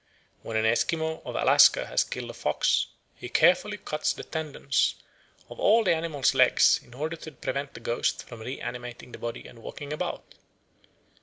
When an Esquimau of Alaska has killed a fox, he carefully cuts the tendons of all the animal's legs in order to prevent the ghost from reanimating the body and walking about.